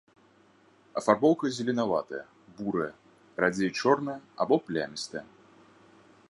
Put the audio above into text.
Афарбоўка зеленаватая, бурая, радзей чорная або плямістая.